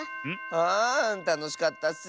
あたのしかったッス。